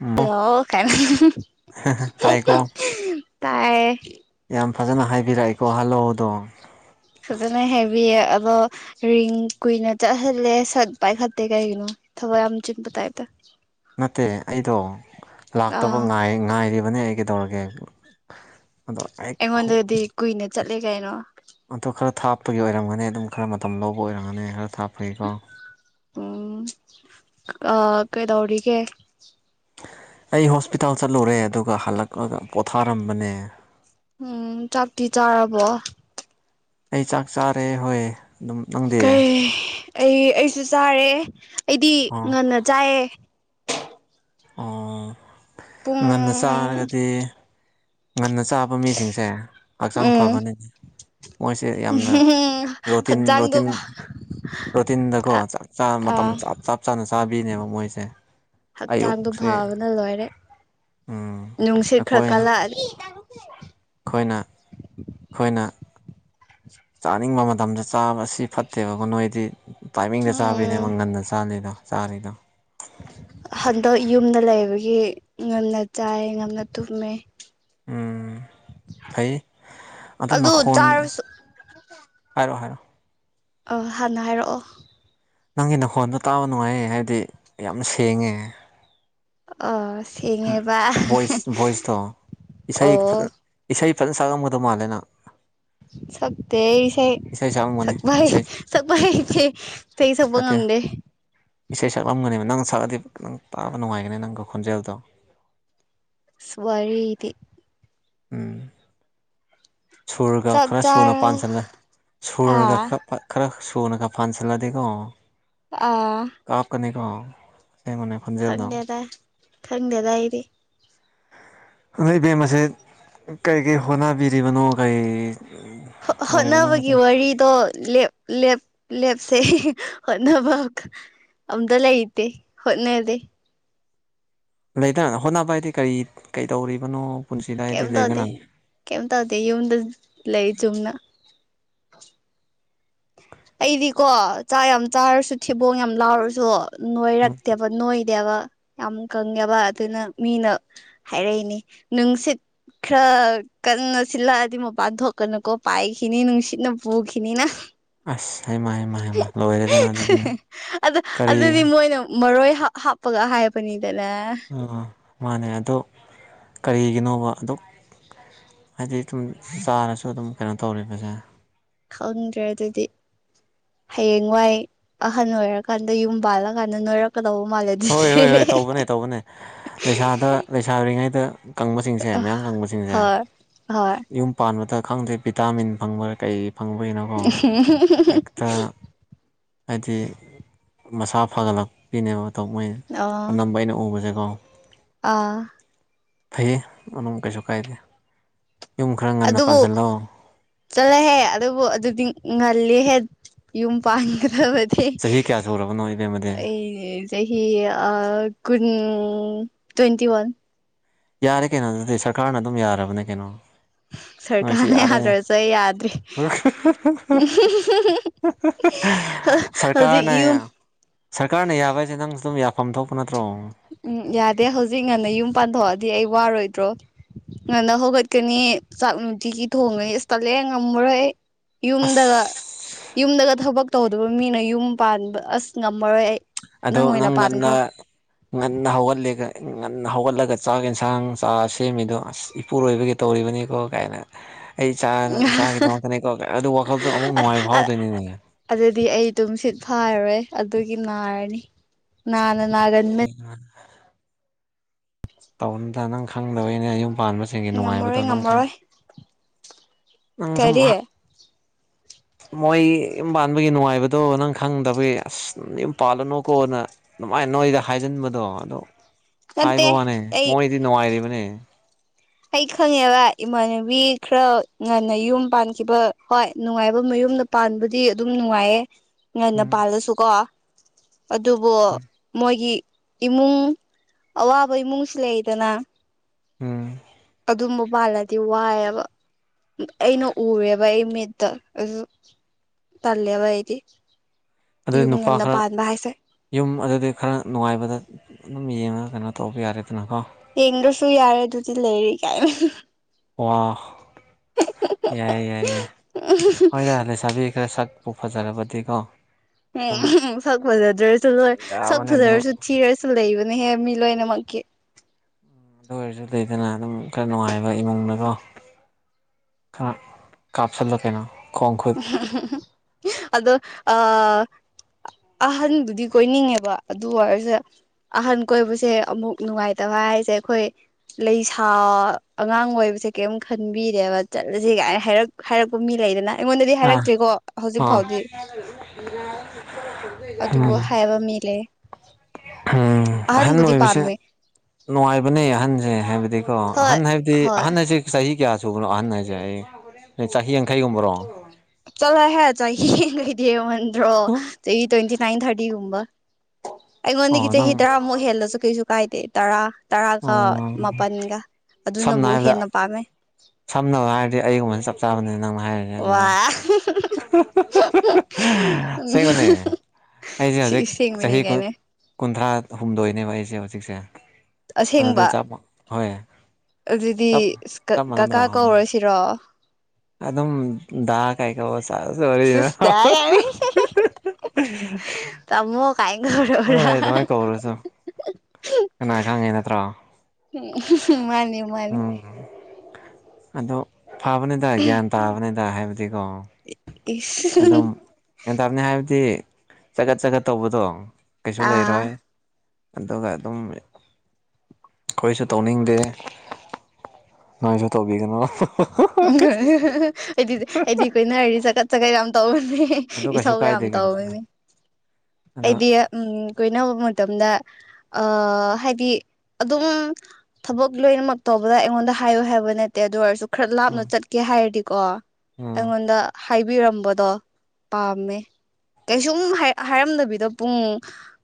ꯎꯝ ꯑꯣ ꯇꯥꯏꯀꯣ [unintelligible] ꯇꯥꯏꯌꯦ ꯌꯥꯝ ꯐꯖꯅ ꯍꯥꯏꯕꯤꯔꯛꯑꯦꯀꯣ ꯍꯜꯂꯣꯗꯣ ꯐꯖꯅ ꯍꯦꯕꯤꯌꯦ ꯑꯗꯣ ꯔꯤꯡ ꯀꯨꯏꯅ ꯆꯠꯍꯜꯂꯦ ꯁꯠ ꯄꯥꯏꯈꯠꯇꯦ ꯀꯩꯒꯤꯅꯣ ꯊꯕꯛ ꯌꯥꯝ ꯆꯤꯟꯕ ꯇꯥꯏꯞꯇ ꯅꯠꯇꯦ ꯑꯩꯗꯣ ꯂꯥꯛꯇꯕ ꯑꯥ ꯉꯥꯏ ꯉꯥꯏꯔꯤꯕꯅꯦ ꯑꯩ ꯀꯩꯗꯧꯔꯒꯦ ꯑꯗꯣ ꯍꯦꯛ ꯑꯩꯉꯣꯟꯗꯗꯤ ꯀꯨꯏꯅ ꯆꯠꯂꯦ ꯀꯩꯅꯣ ꯑꯗꯣ ꯈꯔ ꯊꯥꯞꯄꯒꯤ ꯑꯣꯏꯔꯝꯒꯅꯤ ꯑꯗꯨꯝ ꯈꯔ ꯃꯇꯝ ꯂꯧꯕ ꯑꯣꯏꯔꯝꯒꯅꯤ ꯈꯔ ꯊꯥꯞꯄꯒꯤꯀꯣ ꯎꯝ ꯑ ꯀꯩꯗꯧꯔꯤꯒꯦ ꯑꯩ ꯍꯣꯁꯄꯤꯇꯥꯜ ꯆꯠꯂꯨꯔꯦ ꯑꯗꯨꯒ ꯍꯜꯂꯛꯂꯒ ꯄꯣꯊꯥꯔꯝꯕꯅꯦ ꯎꯝ ꯆꯥꯛꯇꯤ ꯆꯥꯔꯕꯣ ꯑꯩ ꯆꯥꯛ ꯆꯥꯔꯦ ꯍꯣꯏ ꯑꯗꯨꯝ ꯅꯪꯗꯤ ꯀꯩ ꯑꯩ ꯑꯩꯁꯨ ꯆꯥꯔꯦ ꯑꯩꯗꯤ ꯑꯣ ꯉꯟꯅ ꯆꯥꯏꯑꯦ ꯑꯣ ꯄꯨꯡ ꯉꯟꯅ ꯆꯥꯔꯒꯗꯤ ꯉꯟꯅ ꯆꯥꯕ ꯃꯤꯁꯤꯡꯁꯦ ꯍꯛꯆꯥꯡ ꯎꯝ ꯐꯕꯅꯤ ꯃꯣꯏꯁꯦ ꯌꯥꯝꯅ ꯔꯣꯇꯤꯟ ꯍꯛꯆꯥꯡꯗꯣ ꯔꯣꯇꯤꯟ ꯔꯣꯇꯤꯟꯗꯀꯣ ꯑꯥ ꯆꯞ ꯆꯥ ꯃꯇꯝ ꯆꯞ ꯆꯞ ꯆꯥꯅ ꯆꯥꯕꯤꯅꯦꯕ ꯃꯣꯏꯁꯦ ꯍꯛꯆꯥꯡꯗꯣ ꯑꯌꯨꯛꯁꯦ ꯐꯕꯅ ꯂꯣꯏꯔꯦ ꯎꯝ ꯅꯨꯡꯁꯤꯠ ꯈꯔ ꯀꯜꯂꯛꯑꯗꯤ ꯈꯣꯏꯅ ꯈꯣꯏꯅ ꯆꯥꯅꯤꯡꯕ ꯃꯇꯝꯗ ꯆꯥꯕ ꯑꯁꯤ ꯐꯠꯇꯦꯕꯀꯣ ꯅꯣꯏꯗꯤ ꯇꯥꯏꯃꯤꯡꯗ ꯎꯝ ꯆꯥꯕꯤꯅꯦꯕ ꯉꯟꯅ ꯆꯥꯅꯤꯗꯣ ꯆꯥꯔꯤꯗꯣ ꯍꯟꯗꯛ ꯌꯨꯝꯗ ꯂꯩꯕꯒꯤ ꯉꯟꯅ ꯆꯥꯏꯌꯦ ꯉꯟꯅ ꯇꯨꯝꯃꯦ ꯎꯝ ꯐꯩꯌꯦ ꯑꯗꯣ ꯑꯗꯨ ꯅꯈꯣꯟ ꯆꯥꯔꯁꯨ ꯍꯥꯏꯔꯣ ꯍꯥꯏꯔꯣ ꯑ ꯍꯥꯟꯅ ꯍꯥꯏꯔꯛꯑꯣ ꯅꯪꯒꯤ ꯅꯈꯣꯟꯗꯣ ꯇꯥꯕ ꯅꯨꯡꯉꯥꯏꯌꯦ ꯍꯥꯏꯕꯗꯤ ꯌꯥꯝ ꯁꯦꯡꯉꯦ ꯑ ꯁꯦꯡꯉꯦꯕ ꯕꯣꯏꯁ ꯕꯣꯁꯇꯣ ꯏꯁꯩꯥ ꯑꯣ ꯏꯁꯩ ꯐꯖꯅ ꯁꯛꯂꯝꯒꯗꯧ ꯃꯥꯜꯂꯦ ꯅꯪ ꯁꯛꯇꯦ ꯢꯁꯩ ꯏꯁꯩ ꯁꯛꯂꯝꯒꯅꯤ ꯁꯛꯄ ꯏꯁꯩ ꯁꯛꯄ ꯍꯩꯇꯦ ꯢꯁꯩ ꯁꯥꯛꯄ ꯅꯠꯇꯦ ꯉꯥꯝꯗꯦ ꯏꯁꯩ ꯁꯛꯂꯝꯒꯅꯦꯕ ꯅꯪ ꯁꯛꯂꯗꯤ ꯈꯤꯇꯪ ꯇꯥꯕ ꯅꯨꯡꯉꯥꯏꯒꯅꯤ ꯅꯪꯒꯤ ꯈꯣꯟꯖꯦꯜꯗꯣ ꯋꯥꯔꯤꯗꯤ ꯎꯝ ꯁꯨꯔꯒ ꯆꯥꯛ ꯈꯔ ꯁꯨꯅ ꯆꯥꯔ ꯄꯥꯟꯁꯤꯜꯂꯦ ꯁꯨꯔꯒ ꯑꯥ ꯈꯔ ꯈꯔ ꯁꯨꯔꯀ ꯄꯥꯜꯁꯟꯂꯗꯤꯀꯣ ꯑꯥ ꯀꯥꯞꯀꯅꯤ ꯀꯣ [unintelligible] ꯈꯪꯗꯦꯗ ꯈꯪꯗꯦꯗ ꯑꯩꯗꯤ ꯅꯣꯏ ꯢꯕꯦꯝꯃꯁꯦ ꯀꯔꯤ ꯀꯔꯤ ꯍꯣꯠꯅꯕꯤꯔꯤꯕꯅꯣ ꯀꯩ ꯇꯧꯔꯤꯕꯅꯣ ꯍꯣꯠꯅꯕꯒꯤ ꯍꯥꯏꯗꯤ ꯋꯥꯔꯤꯗꯣ ꯂꯦꯞ ꯂꯦꯞ ꯂꯦꯞꯁꯦ ꯍꯣꯠꯅꯕ ꯑꯝꯇ ꯂꯩꯇꯦ ꯍꯣꯠꯅꯗꯦ ꯂꯩꯗꯅ ꯍꯣꯠꯅꯕ ꯍꯥꯏꯗꯤ ꯀꯔꯤ ꯀꯩꯗꯧꯔꯤꯕꯅꯣ ꯀꯤꯝ ꯇꯧꯗꯦ ꯀꯤꯝ ꯇꯧꯗꯦ ꯌꯨꯝꯗ ꯂꯩ ꯆꯨꯝꯅ ꯑꯩꯗꯤꯀꯣ ꯆꯥꯛ ꯌꯥꯝ ꯆꯥꯔꯁꯨ ꯊꯤꯕꯣꯡ ꯌꯥꯝ ꯂꯥꯎꯔꯁꯨ ꯎꯝ ꯅꯣꯏꯔꯛꯇꯦꯕ ꯅꯣꯏ ꯌꯥ ꯗꯦꯕ ꯌꯥꯝ ꯀꯪꯉꯦꯕ ꯑꯗꯨꯅ ꯃꯤꯅ ꯍꯥꯏꯔꯛꯏꯅꯤ ꯅꯨꯡꯁꯤꯠ ꯈꯔ ꯀꯟꯅ ꯁꯤꯜꯂꯛꯑꯗꯤ ꯃꯄꯥꯟ ꯊꯣꯛꯀꯅꯨꯀꯣ ꯄꯥꯏꯈꯤꯅꯤ ꯅꯨꯡꯁꯤꯠꯅ ꯄꯨꯈꯤꯅꯤꯅ ꯑꯁ ꯍꯥꯢꯃ ꯍꯥꯏꯃ ꯍꯥꯏꯃ ꯂꯣꯏꯔꯦꯗꯅ ꯑꯗꯨꯗꯤ ꯑꯗꯨ ꯀꯔꯤ ꯑꯗꯨꯗꯤ ꯃꯣꯏꯅ ꯃꯔꯣꯏ ꯍꯥꯞꯄꯒ ꯍꯥꯏꯕꯅꯤꯗꯅꯦ ꯎ ꯃꯥꯅꯦ ꯑꯗꯣ ꯀꯔꯤꯒꯤꯅꯣꯕ ꯑꯗꯨ ꯍꯥꯏꯗꯤ ꯑꯗꯨꯝ ꯆꯥꯔꯁꯨ ꯑꯗꯨꯝ ꯀꯩꯅꯣ ꯇꯧꯔꯦꯗꯅ ꯈꯪꯗ꯭ꯔꯦ ꯑꯗꯨꯗꯤ ꯍꯌꯦꯡꯋꯥꯏ ꯑꯍꯟ ꯑꯣꯏꯔꯀꯥꯟꯗ ꯌꯨꯝ ꯄꯥꯜꯂꯀꯥꯟꯗ ꯅꯣꯏꯔꯛꯀꯗꯧꯕ ꯃꯥꯜꯂꯦ ꯍꯣꯏ ꯍꯣꯏ ꯑꯗꯨꯗꯤ ꯍꯣꯏ ꯇꯧꯕꯅꯦ ꯇꯧꯕꯅꯦ ꯂꯩꯁꯥꯗ ꯂꯩꯁꯥꯔꯤꯉꯩꯗ ꯀꯪꯕꯁꯤꯡꯁꯦ ꯃꯌꯥꯝ ꯀꯪꯕꯁꯤꯡꯁꯦ ꯍꯣꯏ ꯍꯣꯏ ꯌꯨꯝ ꯄꯥꯟꯕꯗ ꯈꯪꯗꯦ ꯚꯤꯇꯥꯃꯤꯟ ꯐꯪꯕ ꯀꯩ ꯐꯪꯕꯩꯅꯣ [unintelligible] ꯍꯥꯏꯗꯤ ꯃꯁꯥ ꯐꯒꯠꯂꯛꯄꯩꯅꯦꯕ ꯃꯣꯏ ꯑꯣ ꯑꯅꯝꯕ ꯑꯩꯅ ꯎꯕꯁꯦꯀꯣ ꯑꯥ ꯐꯩꯌꯦ ꯑꯗꯨꯝ ꯀꯩꯁꯨ ꯀꯥꯏꯗꯦ ꯌꯨꯝ ꯈꯔ ꯉꯟꯅ ꯄꯥꯟꯁꯤꯜꯂꯣ ꯆꯠꯂꯣꯍꯦ ꯑꯗꯨꯕꯨ ꯑꯗꯨꯗꯤ ꯉꯜꯂꯤꯍꯦ ꯌꯨꯝ ꯄꯥꯟꯒꯗꯕ ꯆꯍꯤ ꯀꯌꯥ ꯁꯨꯔꯕꯅꯣ ꯏꯕꯦꯝꯃꯗꯤ ꯑꯩꯗꯤ ꯆꯍꯤ ꯑꯥ ꯀꯨꯟ ꯇ꯭ꯋꯦꯟꯇꯤ ꯋꯥꯟ ꯌꯥꯔꯦ ꯀꯩꯅꯣ ꯑꯗꯨꯗꯤ ꯁꯔꯀꯥꯔꯅ ꯑꯗꯨꯝ ꯌꯥꯔꯕꯅꯦ ꯀꯩꯅꯣ ꯃꯣꯢꯁꯤ ꯁꯔꯀꯥꯔꯅ ꯌꯥꯔꯦ ꯌꯥꯗ꯭ꯔꯁꯨ ꯑꯩ ꯌꯥꯗ꯭ꯔꯤ ꯍꯧꯖꯤꯛ ꯁꯔꯀꯥꯔꯅ ꯌꯨꯝ ꯁꯔꯀꯥꯔꯅ ꯌꯥꯕ ꯍꯥꯏꯁꯦ ꯅꯪꯁꯨ ꯑꯗꯨꯝ ꯌꯥꯐꯝ ꯊꯣꯛꯄ ꯅꯠꯇ꯭ꯔꯣ ꯎꯝ ꯌꯥꯗꯦ ꯍꯧꯖꯤꯛ ꯉꯟꯅ ꯌꯨꯝ ꯄꯥꯟꯊꯣꯛꯑꯗꯤ ꯑꯩ ꯋꯥꯔꯣꯏꯗ꯭ꯔꯣ ꯉꯟꯅ ꯍꯧꯒꯠꯀꯅꯤ ꯆꯥꯛ ꯅꯨꯡꯇꯤꯒꯤ ꯊꯣꯡꯉꯅꯤ ꯑꯁ ꯇꯜꯂꯦ ꯉꯝꯃꯔꯣꯏ ꯑꯁ ꯌꯨꯝꯗꯒ ꯌꯨꯝꯗꯒ ꯊꯕꯛ ꯇꯧꯗꯕ ꯃꯤꯅ ꯌꯨꯝ ꯄꯥꯟꯕ ꯑꯁ ꯉꯝꯃꯔꯣꯏ ꯑꯩ ꯑꯗꯣ ꯑꯣꯏꯅ ꯅꯪ ꯉꯟꯅ ꯄꯥꯟꯈ꯭ꯔꯣ ꯉꯟꯅ ꯍꯧꯒꯠꯂꯦ ꯁꯤ ꯉꯟꯅ ꯍꯧꯒꯠꯂꯒ ꯆꯥꯛ ꯌꯦꯟꯁꯥꯡ ꯆꯥ ꯁꯦꯝꯃꯤꯗꯣ ꯑꯁ ꯏꯄꯨꯔꯣꯏꯕꯒꯤ ꯇꯧꯔꯤꯕꯅꯤꯀꯣ ꯀꯥꯏꯅ ꯑꯩ ꯏꯆꯥ ꯏꯆꯥꯒꯤꯗꯃꯛꯇꯅꯦꯀꯣ ꯑꯗꯨ ꯋꯥꯈꯜꯗꯣ ꯑꯃꯨꯛ ꯅꯨꯡꯉꯥꯏꯕ ꯐꯥꯎꯗꯣꯏꯅꯤꯅꯦ ꯑꯗꯨꯗꯤ ꯑꯩ ꯇꯨꯝ ꯁꯤꯠ ꯐꯥꯔꯔꯣꯏ ꯑꯗꯨꯒꯤ ꯅꯥꯔꯅꯤ ꯅꯥꯅ ꯅꯥꯒꯟꯕꯅꯤ ꯎꯝ [unintelligible] ꯇꯧꯅꯨꯗ ꯅꯪ ꯈꯪꯗꯕꯩꯅ ꯌꯨꯝ ꯄꯥꯟꯕꯁꯤꯡꯒꯤ ꯉꯝꯃꯔꯣꯏ ꯅꯨꯡꯉꯥꯏꯕꯗꯣ ꯅꯪ ꯈꯪ ꯉꯝꯃꯔꯣꯏ ꯅꯪ ꯁꯨꯝ ꯀꯔꯤ [inaudible] ꯃꯣꯏ ꯌꯨꯝ ꯄꯥꯟꯕꯒꯤ ꯅꯨꯡꯉꯥꯏꯕꯗꯣ ꯅꯪ ꯈꯪꯗꯕꯒꯤ ꯑꯁ ꯌꯨꯝ ꯄꯥꯜꯂꯅꯨꯀꯣꯅ ꯑꯗꯨꯃꯥꯏꯅ ꯅꯣꯏꯗ ꯍꯥꯏꯖꯤꯟꯕꯗꯣ ꯑꯗꯨ ꯍꯥꯏꯕ ꯅꯠꯇꯦ ꯋꯥꯅꯦ ꯑꯩ ꯃꯣꯏꯗꯤ ꯅꯨꯡꯉꯥꯏꯔꯤꯕꯅꯦ ꯑꯩ ꯈꯪꯉꯦꯕ ꯏꯃꯥꯟꯅꯕꯤ ꯈꯔ ꯉꯟꯅ ꯌꯨꯝ ꯄꯥꯟꯈꯤꯕ ꯍꯣꯏ ꯅꯨꯡꯉꯥꯏꯕ ꯃꯌꯨꯝꯗ ꯄꯥꯟꯕꯗꯤ ꯑꯗꯨꯝ ꯅꯨꯡꯉꯥꯏꯌꯦ ꯉꯟꯅ ꯎꯝ ꯄꯥꯜꯂꯁꯨꯀꯣ ꯑꯗꯨꯕꯨ ꯎꯝ ꯃꯣꯏꯒꯤ ꯏꯃꯨꯡ ꯑꯋꯥꯕ ꯏꯃꯨꯡꯁꯨ ꯂꯩꯗꯅ ꯎꯝ ꯑꯗꯨꯝꯕ ꯄꯥꯜꯂꯗꯤ ꯋꯥꯏꯑꯦꯕ ꯑꯩꯅ ꯎꯔꯦꯕ ꯑꯩ ꯃꯤꯠꯇ ꯑꯗꯨ ꯇꯜꯂꯤꯕ ꯑꯩꯗꯤ ꯑꯗꯨꯗꯤ ꯌꯨꯝ ꯅꯨꯄꯥ ꯉꯟꯅ ꯈꯔ ꯄꯥꯟꯕ ꯍꯥꯏꯁꯦ ꯌꯨꯝ ꯑꯗꯨꯗꯤ ꯈꯔ ꯅꯨꯡꯉꯥꯏꯕꯗ ꯑꯗꯨꯝ ꯌꯦꯡꯉꯒ ꯀꯩꯅꯣ ꯇꯧꯕ ꯌꯥꯔꯦꯗꯅꯀꯣ ꯌꯦꯡꯗ꯭ꯔꯁꯨ ꯌꯥꯔꯦ ꯑꯗꯨꯗꯤ ꯂꯩꯔꯤ ꯀꯥꯏꯅ ꯋꯥꯎ ꯌꯥꯏ ꯌꯥꯏ ꯌꯥꯏ ꯑ [unintelligible] ꯍꯣꯏꯗ ꯂꯩꯁꯥꯕꯤ ꯈꯔ ꯁꯛꯄꯨ ꯐꯖꯔꯕꯗꯤꯀꯣ ꯑꯗꯨꯝ ꯎꯝ ꯁꯛ ꯐꯖꯥꯗ꯭ꯔꯁꯨ ꯂꯣꯏ ꯁꯛ ꯌꯥꯕꯅꯦ ꯑꯗꯨꯝ ꯐꯖꯥꯔꯁꯨ ꯊꯤꯔꯁꯨ ꯂꯩꯕꯅꯦꯍꯦ ꯃꯤ ꯂꯣꯏꯅꯃꯛꯀꯤ ꯑꯗꯨ ꯑꯣꯏꯔꯁꯨ ꯂꯩꯗꯅ ꯑꯗꯨꯝ ꯈꯔ ꯅꯨꯡꯉꯥꯏꯕ ꯏꯃꯨꯡꯅꯗꯣ ꯈꯔ ꯀꯥꯞꯁꯤꯜꯂ ꯀꯩꯅꯣ ꯈꯣꯡ ꯈꯨꯠ ꯑꯗꯣ ꯑꯍꯟꯗꯨꯗꯤ ꯀꯣꯏꯅꯤꯡꯉꯦꯕ ꯑꯗꯨ ꯑꯣꯏꯔꯁꯨ ꯑꯍꯟ ꯀꯣꯏꯕꯁꯦ ꯑꯃꯨꯛ ꯅꯨꯡꯉꯥꯏꯇꯕ ꯍꯥꯏꯁꯦ ꯑꯩꯈꯣꯏ ꯂꯩꯁꯥ ꯑꯉꯥꯡ ꯑꯣꯏꯕꯁꯦ ꯀꯦꯝ ꯈꯟꯕꯤꯗꯦꯕ ꯆꯠꯂꯁꯦ ꯒꯥꯏ ꯍꯥꯏꯔꯛ ꯍꯥꯏꯔꯛꯄ ꯃꯤ ꯂꯩꯗꯅ ꯑꯩꯉꯣꯟꯗꯗꯤ ꯑꯥ ꯍꯥꯏꯔꯛꯇ꯭ꯦꯀꯣ ꯍꯧꯖꯤꯛ ꯑꯥ ꯐꯥꯎꯗꯤ ꯎꯝ ꯑꯗꯨꯕꯨ ꯍꯥꯏꯕ ꯃꯤ ꯂꯦꯏꯌꯦ ꯎꯝ ꯑꯍꯟ ꯑꯣꯏꯕꯁꯦ ꯅꯨꯡꯉꯥꯏꯕꯅꯦ ꯑꯍꯟꯁꯦ ꯍꯥꯏꯕꯗꯤ ꯀ ꯍꯣꯏ ꯑꯍꯟ ꯍꯥꯏꯕꯗꯤ ꯍꯣꯏ ꯑꯍꯟ ꯍꯥꯏꯁꯦ ꯆꯍꯤ ꯀꯌꯥ ꯁꯨꯕꯅꯣ ꯑꯍꯟ ꯍꯥꯏꯁꯦ ꯑꯩ ꯆꯍꯤ ꯌꯥꯡꯈꯩꯒꯨꯝꯕꯔꯣ ꯆꯠꯂꯣꯍꯦ ꯆꯍꯤ ꯂꯩꯩꯗꯤ ꯍꯦꯃꯟꯗ꯭ꯔꯣ ꯆꯍꯤ ꯇ꯭ꯋꯦꯟꯇꯤ ꯅꯥꯏꯟ ꯊꯥꯔꯇꯤꯒꯨꯝꯕ ꯑꯣ ꯑꯩꯉꯣꯟꯗꯒꯤ ꯆꯍꯤ ꯅꯪ ꯇꯔꯥꯃꯨꯛ ꯍꯦꯜꯂꯁꯨ ꯀꯩꯁꯨ ꯀꯥꯏꯗꯦ ꯇꯔꯥ ꯇꯔꯥꯒ ꯎꯝ ꯃꯥꯄꯜꯒ ꯑꯗꯨꯅꯕꯨ ꯍꯦꯟꯅ ꯄꯥꯝꯃꯦ ꯁꯝꯅꯕ ꯍꯥꯏꯔꯗꯤ ꯑꯩꯒꯨꯝꯕꯕꯁꯤ ꯆꯞ ꯆꯥꯕꯅꯤ ꯅꯪ ꯋꯥ ꯆꯦꯡꯕꯅꯦ ꯑꯩꯁꯦ ꯁꯤ ꯍꯧꯖꯤꯛ ꯑꯁꯦꯡꯕꯅꯦ ꯆꯍꯤ ꯀꯨꯟ ꯀꯥꯏꯅ ꯀꯨꯟꯊ꯭ꯔꯥ ꯍꯨꯝꯗꯣꯏꯅꯦꯕ ꯑꯩꯁꯦ ꯍꯧꯖꯤꯛꯁꯦ ꯑ ꯑꯁꯦꯡꯕ ꯆ ꯍꯣꯏ ꯆ ꯆꯞ ꯃꯅꯗ꯭ꯔꯣ ꯄꯆꯔꯣ [unintelligible] ꯑꯗꯨꯝ ꯗꯥ ꯀꯥꯏ ꯀꯧꯕ ꯁꯦꯁ ꯋꯥꯔꯤꯅ ꯁꯤꯁꯇ ꯀꯥꯏꯅ ꯇꯥꯃꯣ ꯀꯥꯏꯅ ꯀꯧꯔꯛꯎꯔ ꯑꯗꯨꯃꯥꯏꯅ ꯀꯧꯔꯁꯨ ꯀꯅꯥ ꯈꯥꯡꯉꯤ ꯅꯠꯇ꯭ꯔꯣ ꯃꯥꯅꯤ ꯃꯥꯅꯤ ꯎꯝ ꯑꯗꯣ ꯐꯕꯅꯤꯗ ꯒ꯭ꯌꯥꯟ ꯇꯥꯕꯅꯤꯗ ꯍꯥꯏꯕꯗꯤꯀꯣ ꯏꯁ ꯑꯗꯨꯝ ꯒꯌꯥꯟ ꯇꯥꯕꯅꯤ ꯍꯥꯏꯕꯗꯤ ꯆꯊꯠ ꯆꯀꯠ ꯇꯧꯕꯗꯣ ꯀꯩꯁꯨ ꯂꯩꯔꯣꯏ ꯑꯥ ꯑꯗꯨꯒ ꯑꯗꯨꯝ ꯑꯩꯈꯣꯏꯁꯨ ꯇꯧꯅꯤꯡꯗꯦ ꯅꯣꯏꯁꯨ ꯇꯧꯕꯤꯒꯅꯨ ꯑꯩꯗꯤ ꯑꯩꯗꯤ ꯑꯩꯗꯤ ꯍꯥꯏꯗꯤ ꯆꯀꯠ ꯆꯀꯠ ꯌꯥꯝ ꯇꯧꯕꯅꯦ ꯑꯗꯨ ꯀꯩꯁꯨ ꯏꯊꯧ ꯌꯥꯝ ꯀꯥꯏꯗꯦ ꯀꯩꯅꯣ ꯇꯧꯕꯅꯦ ꯑꯗꯣ ꯑꯩꯗꯤ ꯎ ꯀꯣꯏꯅꯕ ꯃꯇꯝꯗ ꯑ ꯍꯥꯏꯗꯤ ꯑꯗꯨꯝ ꯊꯕꯛ ꯂꯣꯏꯅꯃꯛ ꯇꯧꯕꯗ ꯑꯩꯉꯣꯟꯗ ꯍꯥꯏꯌꯨ ꯍꯥꯏꯕ ꯅꯠꯇꯦ ꯑꯗꯨ ꯑꯣꯏꯔꯁꯨ ꯈꯔ ꯂꯥꯞꯅ ꯎꯝ ꯆꯠꯀꯦ ꯍꯥꯏꯔꯗꯤꯀꯣ ꯎꯝ ꯑꯩꯉꯣꯟꯗ ꯍꯥꯏꯕꯤꯔꯝꯕꯗꯣ ꯄꯥꯝꯃꯦ ꯀꯩꯁꯨꯝ ꯍꯥꯏꯔꯝꯗꯕꯤ ꯄꯨꯡ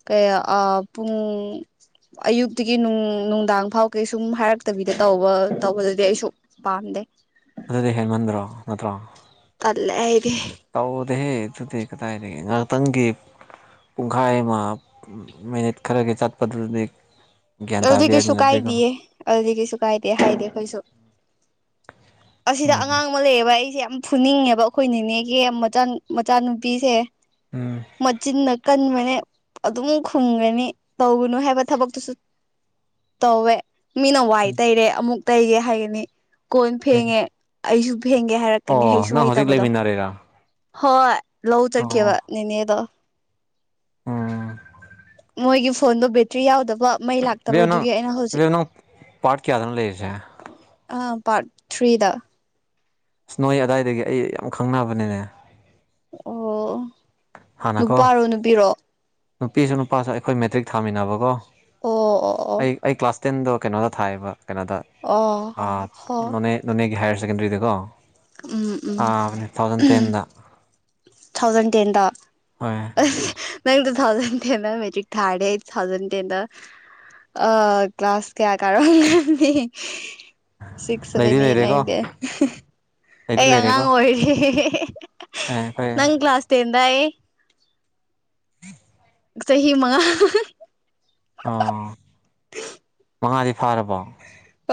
ꯀꯌꯥ ꯄꯨꯡ ꯑꯌꯨꯛꯇꯒꯤ ꯅꯨꯡꯗꯥꯡ ꯐꯥꯎ ꯀꯩ ꯁꯨꯝ ꯍꯥꯏꯔꯛꯇꯕꯤꯗ ꯇꯧꯕ ꯇꯧꯕꯗꯗꯤ ꯑꯩꯁꯨ ꯄꯥꯝꯗꯦ ꯑꯗꯨꯗꯤ ꯍꯦꯟꯃꯟꯗ꯭ꯔꯣ ꯅꯠꯇ꯭ꯔꯣ ꯇꯜꯂꯦ ꯑꯩꯗꯤ ꯇꯧꯗꯦꯍꯦ ꯑꯗꯨꯗꯤ ꯀꯗꯥꯢꯗꯒꯤ ꯉꯥꯏꯍꯥꯛꯇꯪꯒꯤ ꯄꯨꯡꯈꯥꯏ ꯑꯃ ꯃꯤꯅꯤꯠ ꯈꯔꯒꯤ ꯆꯠꯄꯗꯨꯗꯤ ꯒ꯭ꯌꯥꯟ ꯑꯗꯨꯗꯤ ꯇꯥꯕ ꯀꯩꯁꯨ ꯌꯥꯏꯗꯅ ꯑꯗꯨꯗꯤꯀꯣ ꯀꯥꯏꯗꯦꯌꯦ ꯑꯗꯨꯗꯤ ꯀꯩꯁꯨ ꯀꯥꯏꯗꯦ ꯍꯥꯏꯗꯤ ꯑꯩꯈꯣꯏꯁꯨ ꯑꯁꯤꯗ ꯎꯝ ꯑꯉꯥꯡ ꯑꯃ ꯂꯩꯌꯦꯕ ꯑꯩꯁꯦ ꯌꯥꯝ ꯐꯨꯅꯤꯡꯉꯦꯕ ꯑꯩꯈꯣꯏꯅꯤꯅꯦꯒꯤ ꯃꯆꯥꯅꯨꯄꯤꯁꯦ ꯎꯝ ꯃꯆꯤꯟꯅ ꯀꯟꯕꯅꯦ ꯑꯗꯨꯝ ꯈꯨꯝꯒꯅꯤ ꯇꯧꯒꯅꯨ ꯍꯥꯏꯕ ꯊꯕꯛꯇꯨꯁꯨ ꯇꯧꯋꯦ ꯃꯤꯅ ꯋꯥꯏ ꯎꯝ ꯇꯩꯔꯦ ꯑꯃꯨꯛ ꯇꯩꯒꯦ ꯍꯥꯏꯒꯅꯤ ꯀꯣꯟ ꯎꯝ ꯐꯦꯡꯉꯦ ꯑꯩꯁꯨ ꯐꯦꯡꯒꯦ ꯍꯥꯏꯔ ꯆꯠꯀꯅꯤ ꯑꯣ ꯍꯩꯁꯨ ꯅꯪ ꯍꯧꯖꯤꯛ ꯍꯩꯇꯕꯗꯣ ꯂꯩꯃꯤꯟꯅꯔꯤꯔꯥ ꯍꯣꯏ ꯂꯧ ꯑꯣ ꯆꯠꯈꯤꯕ ꯅꯦꯅꯦꯗꯣ ꯎꯝ ꯃꯣꯏꯒꯤ ꯐꯣꯟꯗꯣ ꯕꯦꯇ꯭ꯔꯤ ꯌꯥꯎꯗꯕ ꯃꯩ ꯂꯥꯛꯇꯕ ꯏꯕꯦꯝ ꯅꯪ ꯑꯗꯨꯒꯤ ꯑꯩꯅ ꯍꯧꯖꯤꯛ ꯏꯕꯦꯝ ꯅꯪ ꯄꯥꯔꯠ ꯀꯌꯥꯗꯅꯣ ꯂꯩꯔꯤꯁꯦ ꯑꯁ ꯑꯥ ꯄꯥꯔꯠ ꯊ꯭ꯔꯤꯗ ꯅꯣꯏ ꯑꯗꯥꯏꯗꯒꯤ ꯑꯩ ꯌꯥꯝ ꯈꯪꯅꯕꯅꯤꯅꯦ ꯑꯣ ꯍꯥꯟꯅꯀꯣ ꯅꯨꯄꯥꯔꯣ ꯅꯨꯄꯤꯔꯣ ꯅꯨꯄꯤꯁꯨ ꯅꯨꯄꯥꯁꯨ ꯑꯩꯈꯣꯏ ꯃꯦꯇ꯭ꯔꯤꯛ ꯊꯥꯃꯤꯟꯅꯕꯀꯣ ꯑꯣ ꯑꯣ ꯑꯩ ꯑꯩ ꯀ꯭ꯂꯥꯁ ꯇꯦꯟꯗꯣ ꯀꯩꯅꯣꯗ ꯊꯥꯏꯑꯦꯕ ꯀꯩꯅꯣꯗ ꯑꯣ ꯑꯣ ꯑꯥ ꯍꯣ ꯅꯣꯅꯦ ꯅꯣꯅꯦꯒꯤ ꯍꯥꯏꯌꯔ ꯁꯦꯀꯦꯟꯗꯔꯤꯗꯀꯣ ꯎꯝ ꯎꯝ ꯑꯥ ꯇꯨ ꯊꯥꯎꯖꯟ ꯇꯦꯟꯗ ꯇꯨ ꯊꯥꯎꯖꯟ ꯇꯦꯟꯗ ꯍꯣꯏ ꯅꯪ ꯇꯨ ꯊꯥꯎꯖꯟ ꯇꯦꯟꯗ ꯃꯦꯇ꯭ꯔꯤꯛ ꯊꯥꯔꯗꯤ ꯑꯩ ꯇꯨ ꯊꯥꯎꯖꯟ ꯇꯦꯟꯗ ꯑꯥ ꯀ꯭ꯂꯥꯁ ꯀꯌꯥ ꯀꯥꯔꯝꯒꯅꯤ ꯁꯤꯛꯁ ꯂꯩꯗꯤ ꯁꯕꯦꯟ ꯑꯦꯠ ꯂꯩꯔꯦꯀꯣ ꯅꯥꯏꯟ ꯇꯦꯟ ꯂꯩꯗꯤ ꯑꯩ ꯂꯩꯔꯦꯀꯣ ꯑꯉꯥꯡ ꯑꯣꯏꯔꯤ ꯑꯦ ꯑꯩꯈꯣꯏ ꯅꯪ ꯀ꯭ꯂꯥꯁ ꯇꯦꯟꯗ ꯑꯩ ꯆꯍꯤ ꯃꯉꯥ ꯑꯣ ꯃꯉꯥꯗꯤ ꯐꯥꯔꯕꯣ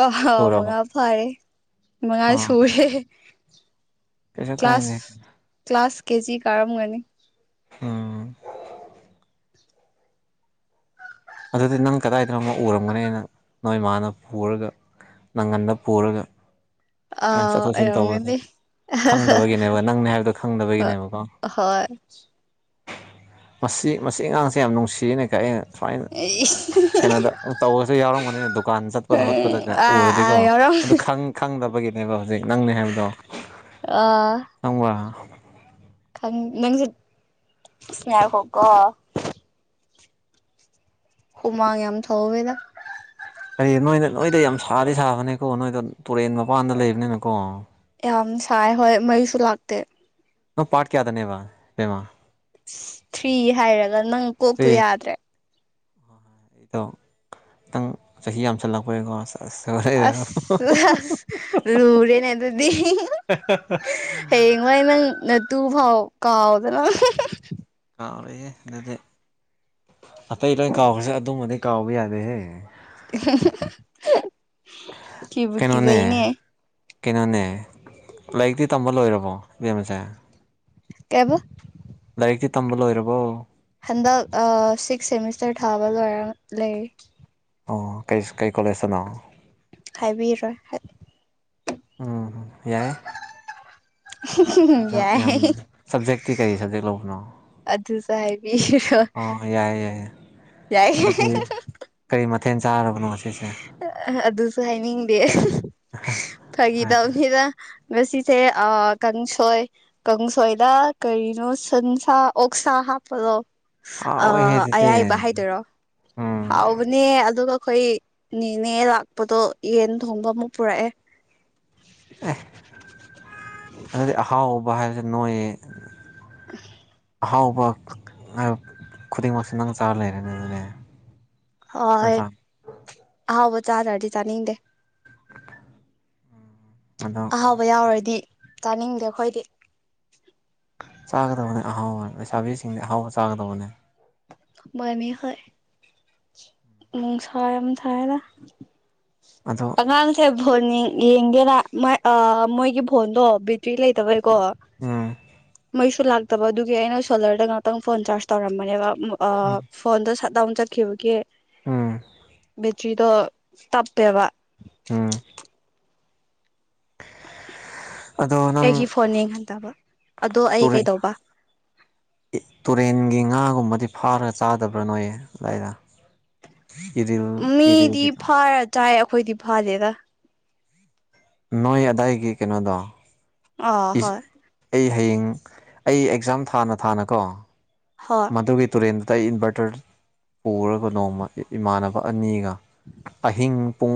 ꯑꯣꯍꯣ ꯁꯨꯔꯕꯣ ꯃꯉꯥ ꯐꯥꯔꯦ ꯃꯉꯥ ꯑꯣ ꯁꯨꯌꯦ ꯀꯩꯁꯨ ꯀꯥꯏꯗꯦ ꯀ꯭ꯂꯥꯁ ꯀ꯭ꯂꯥꯁ ꯀꯦꯖꯤ ꯀꯥꯔꯝꯒꯅꯤ ꯎꯝ ꯑꯗꯨꯗꯤ ꯅꯪ ꯀꯗꯥꯏꯗꯅꯣꯃ ꯎꯔꯝꯒꯅꯤ ꯑꯩꯅ ꯅꯣꯏ ꯃꯥꯅ ꯄꯣꯔꯒ ꯅꯪꯒꯟꯗ ꯄꯣꯔꯒ ꯆꯠ ꯊꯣꯛ ꯑꯥ ꯆꯠꯁꯤꯟ ꯇꯧꯕꯗ ꯑꯣꯏꯔꯝꯒꯅꯤ ꯈꯪꯗꯕꯒꯤꯅꯦꯕ ꯅꯪꯅꯦ ꯍꯥꯏꯕꯗꯣ ꯈꯪꯗꯕꯒꯤꯅꯦꯕꯀꯣ ꯍꯣꯏ ꯃꯁꯤ ꯃꯁꯤ ꯑꯉꯥꯡꯁꯦ ꯌꯥꯝ ꯅꯨꯡꯁꯤꯌꯦꯅ ꯀꯥꯏ ꯑꯩꯅ ꯁꯨꯃꯥꯏꯅ ꯑꯩꯏꯁ ꯀꯩꯅꯣꯗ ꯇꯧꯕꯁꯨ ꯌꯥꯎꯔꯝꯒꯅꯤ ꯗꯨꯀꯥꯟ ꯆꯠꯄꯗ ꯍꯣꯏ ꯈꯣꯠꯄꯗꯒ ꯑꯥ ꯑꯥ ꯎꯔꯗꯤꯀꯣ ꯌꯥꯎꯔꯝ ꯑꯗꯨ ꯈꯪ ꯈꯪꯗꯕꯒꯤꯅꯦꯕ ꯍꯧꯖꯤꯛ ꯅꯪꯅꯤ ꯍꯥꯏꯕꯗꯣ ꯑꯥ [unintelligible] ꯈꯪ ꯅꯪꯁꯨ [inaudible] ꯉꯥꯏꯈꯣ ꯀꯣ ꯍꯨꯃꯥꯡ ꯌꯥꯝ ꯊꯧꯋꯦꯗ ꯍꯌꯦꯡ ꯅꯣꯏꯗ ꯅꯣꯏꯗ ꯌꯥꯝ ꯁꯥꯗꯤ ꯁꯥꯒꯅꯦꯀꯣ ꯅꯣꯏꯗ ꯇꯨꯔꯦꯟ ꯃꯄꯥꯟꯗ ꯂꯩꯕꯅꯤꯅꯀꯣ ꯌꯥꯝ ꯁꯥꯏ ꯍꯣꯏ ꯃꯩꯁꯨ ꯂꯥꯛꯇꯦ ꯅꯪ ꯄꯥꯠ ꯀꯌꯥꯗꯅꯦꯕ ꯏꯕꯦꯝꯃꯥ ꯑꯁ ꯊ꯭ꯔꯤ ꯍꯥꯏꯔꯒ ꯅꯪ ꯀꯣꯛꯇꯣ ꯌꯥꯗ꯭ꯔꯦ ꯑꯗꯣ ꯈꯤꯇꯪ ꯆꯍꯤ ꯌꯥꯝꯁꯜꯂꯛꯄꯩꯀꯣ ꯑꯁ ꯑꯁ ꯂꯨꯔꯦꯅꯦ ꯑꯗꯨꯗꯤ ꯍꯌꯦꯡꯋꯥꯏ ꯅꯪ ꯅꯇꯨ ꯐꯥꯎ ꯀꯥꯎꯗꯅ ꯀꯥꯎꯔꯣꯏ ꯍꯦ ꯑꯗꯨꯗꯤ ꯑꯇꯩ ꯂꯣꯏ ꯀꯥꯎꯈ꯭ꯔꯁꯨ ꯑꯗꯨꯃꯗꯤ ꯀꯥꯎꯕ ꯌꯥꯗꯦꯍꯦ ꯀꯤꯕꯨ ꯀꯩꯅꯣꯅꯦ ꯀꯤꯖꯩꯅꯦ ꯀꯩꯅꯣꯅꯦ ꯂꯥꯏꯔꯤꯛꯇꯤ ꯇꯝꯕ ꯂꯣꯏꯔꯕꯣ ꯏꯕꯦꯝꯃꯁꯦ ꯀꯩꯍꯥꯏꯕ ꯂꯥꯏꯔꯤꯛꯇꯤ ꯇꯝꯕ ꯂꯣꯏꯔꯕꯣ ꯍꯟꯗꯛ‌ ꯑ ꯁꯤꯛꯁ ꯁꯦꯃꯤꯁꯇꯔ ꯊꯥꯕ ꯂꯣꯏꯔꯒ ꯂꯩꯔꯤ ꯑꯣ ꯀꯩ ꯀꯩ ꯀꯣꯂꯦꯖꯇꯅꯣ ꯍꯥꯏꯕꯤꯔꯣꯏ ꯎꯝ ꯌꯥꯏ ꯌꯥꯏ ꯁꯞꯖꯦꯛꯇꯤ ꯀꯔꯤ ꯁꯞꯖꯦꯛ ꯂꯧꯕꯅꯣ ꯑꯗꯨꯁꯨ ꯍꯥꯏꯕꯤꯔꯣꯏ ꯑꯣ ꯌꯥꯏꯌꯦ ꯌꯥꯏꯌꯦ ꯌꯥꯏ ꯑꯗꯨꯗꯤ ꯀꯔꯤ ꯃꯊꯦꯟ ꯆꯥꯔꯕꯅꯣ ꯉꯁꯤꯁꯦ ꯑꯗꯨꯁꯨ ꯍꯥꯏꯅꯤꯡꯗꯦ ꯐꯥꯒꯤ ꯇꯧꯅꯤꯗ ꯉꯁꯤꯁꯦ ꯑꯥ ꯀꯥꯡꯁꯣꯏ ꯀꯥꯡꯁꯣꯏꯗ ꯀꯔꯤꯅꯣ ꯁꯟꯁꯥ ꯑꯣꯛ ꯁꯥ ꯍꯥꯞꯄꯗꯣ ꯑ ꯍꯥꯎꯋꯦꯍꯦ ꯑꯗꯨꯗꯤ ꯑꯌꯥꯏꯕ ꯍꯥꯏꯗꯣꯏꯔꯣ ꯎꯝ ꯍꯥꯎꯕꯅꯦ ꯑꯗꯨꯒ ꯑꯩꯈꯣꯏ ꯅꯦꯅꯦ ꯂꯥꯛꯄꯗꯣ ꯌꯦꯟ ꯊꯣꯡꯕ ꯑꯃꯨꯛ ꯄꯨꯔꯛꯑꯦ ꯑꯦ ꯑꯗꯨꯗꯤ ꯑꯍꯥꯎꯕ ꯍꯥꯏꯕꯁꯦ ꯅꯣꯏꯌꯦ ꯑꯍꯥꯎꯕ ꯈꯨꯗꯤꯡꯃꯛꯁꯦ ꯅꯪ ꯆꯥꯔ ꯂꯩꯔꯦꯅꯦ ꯑꯗꯨꯗꯤ ꯍꯣꯏ ꯅꯠꯇ꯭ꯔꯥ ꯑꯍꯥꯎꯕ ꯆꯥꯗ꯭ꯔꯥꯗꯤ ꯆꯥꯅꯤꯡꯗꯦ ꯑꯗꯣ ꯑꯍꯥꯎꯕ ꯌꯥꯎꯔꯣꯏꯗꯤ ꯆꯥꯅꯤꯡꯗꯦ ꯑꯩꯈꯣꯏꯗꯤ ꯆꯥꯒꯗꯕꯅꯤ ꯑꯍꯥꯎꯕ ꯂꯩꯁꯥꯕꯤꯁꯤꯡꯗꯤ ꯑꯍꯥꯎꯕ ꯆꯥꯒꯗꯕꯅꯦ꯫ ꯃꯥꯅꯦ ꯍꫭꯏ꯫ ꯅꯨꯡꯁꯥ ꯌꯥꯝ ꯁꯥꯑꯦꯗ꯫ ꯑꯗꯣ ꯑꯉꯥꯡꯁꯦ ꯐꯣꯟ ꯌꯦꯡ ꯌꯦꯡꯒꯦꯅ ꯃꯥꯏ ꯑꯥ ꯃꯣꯏꯒꯤ ꯐꯣꯟꯗꯣ ꯕꯦꯇ꯭ꯔꯤ ꯂꯩꯇꯕꯩꯀꯣ꯫ ꯎꯝ꯫ ꯃꯩꯁꯨ ꯂꯥꯛꯇꯕ ꯑꯗꯨꯒꯤ ꯑꯩꯅ ꯁꯣꯂꯔꯗ ꯉꯥꯛꯇꯪ ꯐꯣꯟ ꯆꯥꯔꯖ ꯇꯧꯔꯝꯕꯅꯦꯕ ꯎꯝ ꯑꯥ꯫ ꯐꯣꯟꯗꯣ ꯁꯠꯗꯥꯎꯟ ꯆꯠꯈꯤꯕꯒꯤ ꯎꯝ ꯕꯦꯇ꯭ꯔꯤꯗꯣ ꯇꯞꯄꯦꯕ꯫ ꯎꯝ꯫ ꯑꯗꯣ ꯅꯪ ꯑꯩꯒꯤ ꯐꯣꯟ ꯌꯦꯡꯍꯟꯗꯕ ꯑꯗꯣ ꯑꯩ ꯇꯨꯔꯦꯟ ꯀꯩꯗꯧꯕ꯫ ꯇꯨꯔꯦꯟꯒꯤ ꯉꯥꯒꯨꯝꯕꯗꯤ ꯐꯥꯔꯒ ꯆꯥꯗꯕ꯭ꯔꯥ ꯅꯣꯏ ꯑꯗꯨꯋꯥꯏꯗ꯫ ꯏꯔꯤꯜ ꯃꯤꯗꯤ ꯏꯔꯤꯜꯒꯤꯗꫭ꯫ ꯐꯥꯔ ꯆꯥꯏ ꯑꯈꯣꯏꯗꯤ ꯐꯥꯗꯦꯗ꯫ ꯅꯣꯏ ꯑꯗꯥꯏꯒꯤ ꯀꯩꯅꯣꯗꫭ꯫ ꯑ ꯍꯣꯏ꯫ ꯑꯩ ꯍꯌꯦꯡ ꯑꯩ ꯑꯦꯛꯖꯥꯝ ꯊꯥꯅ ꯊꯥꯅꯀꯣ ꯍꯣꯏ ꯃꯗꯨꯒꯤ ꯇꯨꯔꯦꯟꯗ ꯑꯩ ꯏꯟꯚꯔꯇꯔ ꯄꯨꯔꯒ ꯅꯣꯡꯃ ꯏꯃꯥꯟꯅꯕ ꯑꯅꯤꯒ ꯑꯍꯤꯡ ꯄꯨꯡ